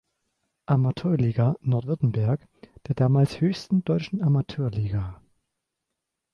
Amateurliga Nord-Württemberg, der damals höchsten deutschen Amateurliga.